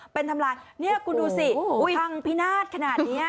เป็นทำลายนี่คุณดูสิพังพินาศขนาดนี้